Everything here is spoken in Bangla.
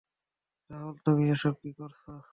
রাহুল তুমি এসব কি করছো?